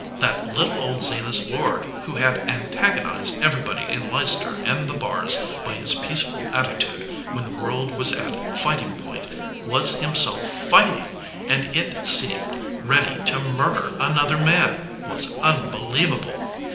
That little old Zenas Lord, who had antagonized everybody in Leicester and the Barrs by his peaceful attitude when the world was at fighting point, was himself 224 BOTH CHEEKS fighting and, it seemed, ready to murder another man, was unbelievable.